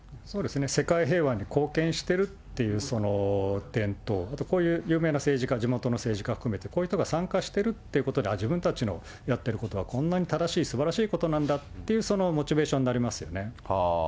世界平和に貢献してるっていう点と、こういう有名な政治家、地元の政治家含め、こういう人が参加しているということで、あっ、自分たちのやってることは、こんなに正しい、すばらしいことなんだっていう、そのモチベーションになりますよね。